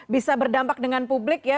bisa berdampak dengan publik ya